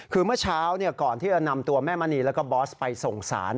คือเมื่อเช้าก่อนที่จะนำตัวแม่มณีแล้วก็บอสไปส่งสาร